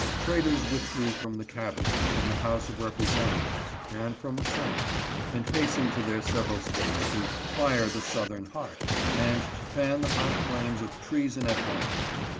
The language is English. Traitors withdrew from the Cabinet, from the House of Rep resentatives, and from the Senate, and hastened to their several States to 'fire the Southern heart,' and to fan the hot flames of treason at home.